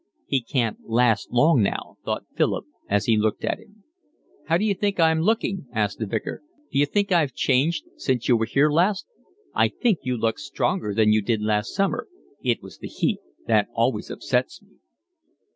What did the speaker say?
"He can't last long now," thought Philip, as he looked at him. "How d'you think I'm looking?" asked the Vicar. "D'you think I've changed since you were here last?" "I think you look stronger than you did last summer." "It was the heat. That always upsets me."